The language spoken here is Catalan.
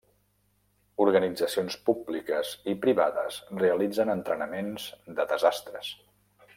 Organitzacions públiques i privades realitzen entrenaments de desastres.